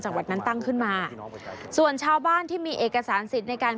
วัดนั้นตั้งขึ้นมาส่วนชาวบ้านที่มีเอกสารสิทธิ์ในการ